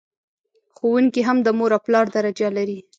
ښوونکي هم د مور او پلار درجه لر...